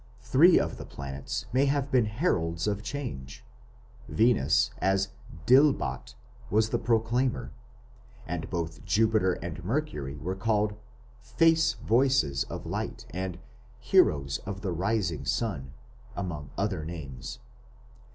Three of the planets may have been heralds of change. Venus, as "Dilbat", was the "Proclaimer", and both Jupiter and Mercury were called "Face voices of light", and "Heroes of the rising sun" among other names.